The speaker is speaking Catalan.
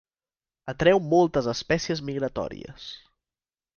Atreu moltes espècies migratòries.